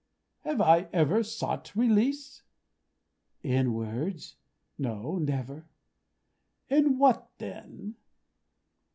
"Have I ever sought release?" "In words. No. Never." "In what, then?"